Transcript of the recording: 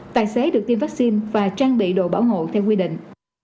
tài xế được tiêm vaccine và trang bị đồ bảo hộ theo quy định